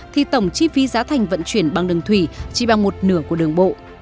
thì tổng chi phí giá thành vận chuyển bằng đường thủy chỉ bằng một nửa của đường bộ